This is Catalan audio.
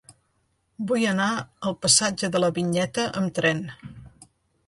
Vull anar al passatge de la Vinyeta amb tren.